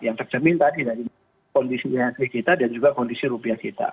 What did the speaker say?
yang tercermin tadi dari kondisi ihsg kita dan juga kondisi rupiah kita